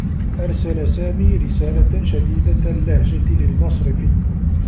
أرسل سامي رسالة شديدة اللّهجة للمصرف.